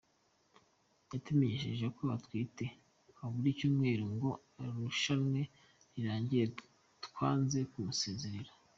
Yatumenyesheje ko atwite habura icyumweru ngo irushanwa rirangire, twanze kumusezerera…”.